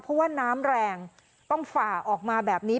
เพราะว่าน้ำแรงต้องฝ่าออกมาแบบนี้